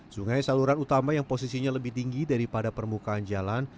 sungai saluran utama yang posisinya lebih tinggi daripada permukaan jalan